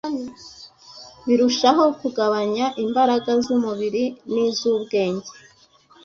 birushaho kugabanya imbaraga z’umubiri n’iz’ubwenge,